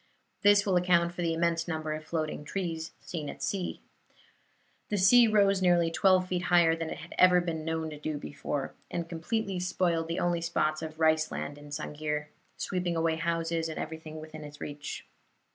This will account for the immense number of floating trees seen at sea. The sea rose nearly twelve feet higher than it had ever been known to do before, and completely spoiled the only spots of rice land in Sang'ir sweeping away houses and everything within its reach.